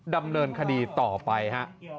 ดำเนินคดีต่อไปฮะ